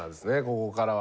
ここからは。